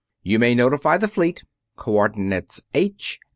"You may notify the fleet coordinates H 11.